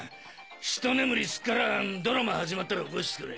ひと眠りすっからドラマ始まったら起こしてくれ。